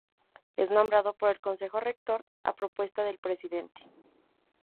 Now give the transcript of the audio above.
Es nombrado por el Consejo Rector a propuesta del Presidente.